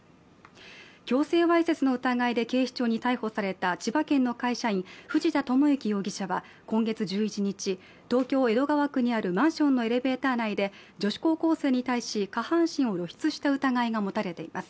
強制わいせつの疑いで警視庁に逮捕された千葉県の会社員藤田智行容疑者は今月１１日、東京・江戸川区にあるマンションのエレベーター内で女子高校生に対し下半身を露出した疑いが持たれています。